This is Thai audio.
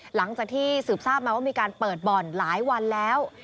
หลังจากที่สืบทราบมาว่ามีการเปิดบ่อนหลายวันแล้ว